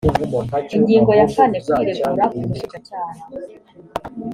ingingo ya kane kwiregura k’umushinjacyaha